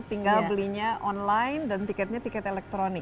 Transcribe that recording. tinggal belinya online dan tiketnya tiket elektronik